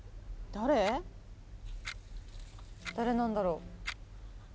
誰なんだろ？